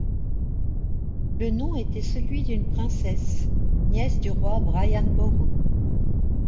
Le nom était celui d'une princesse, nièce du roi Brian Boru.